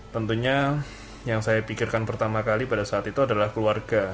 tentunya yang saya pikirkan pertama kali pada saat itu adalah keluarga